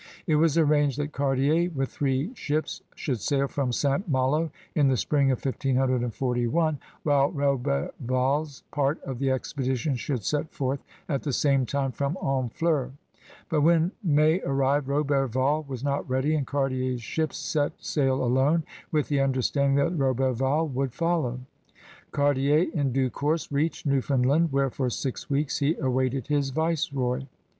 It was arranged that Cartier with three ships should sail from St. Malo in the spring of 1541, while Roberval's part of the expedition should set 26 CBUSADEBS OF NEW FRANCE forth at the same time from Hoofleur. But when May arrived Roberval was not ready and Cartier's ships set sail alone, with the understanding that Roberval would follow. Cartier in due course reached Newfoundland, where for six weeks he awaited his viceroy.